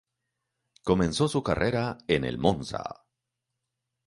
Comenzó su carrera en el Monza.